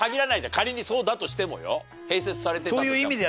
仮にそうだとしてもよ。併設されて。